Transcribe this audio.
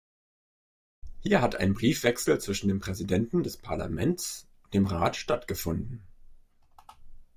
Hier hat ein Briefwechsel zwischen dem Präsidenten des Parlaments und dem Rat stattgefunden.